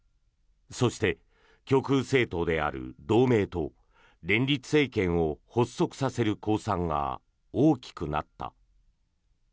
そして、極右政党である同盟と連立政権を発足させる公算が大きくなった。